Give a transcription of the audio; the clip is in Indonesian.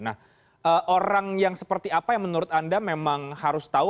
nah orang yang seperti apa yang menurut anda memang harus tahu